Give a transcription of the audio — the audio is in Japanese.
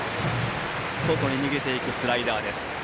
外に逃げていくスライダーです。